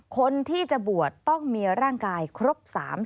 คนที่จะบวชต้องมีร่างกายครบ๓๐